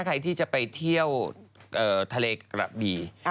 ใครที่จะไปเที่ยวทะเลกระบี่